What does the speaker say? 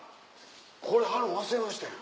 これ貼るの忘れましたやん。